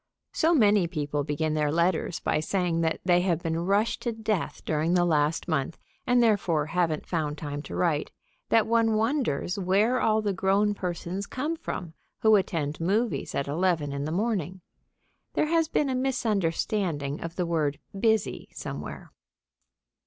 So many people begin their letters by saying that they have been rushed to death during the last month, and therefore haven't found time to write, that one wonders where all the grown persons come from who attend movies at eleven in the morning. There has been a misunderstanding of the word "busy" somewhere.